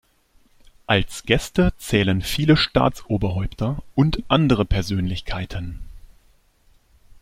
Als Gäste zählen viele Staatsoberhäupter und andere Persönlichkeiten.